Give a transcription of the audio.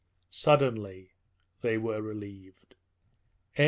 Suddenly they were relieved.